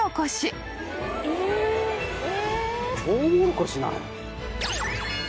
トウモロコシなの？